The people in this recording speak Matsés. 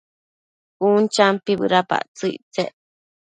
Cun champi bëdapactsëc ictsec